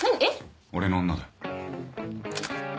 俺の女だよ。